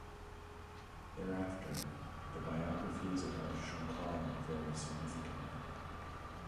Thereafter, the biographies about Shankara vary significantly.